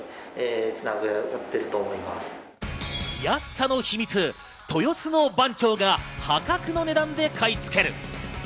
安さの秘密、豊洲の番長が破格の値段で買い付ける。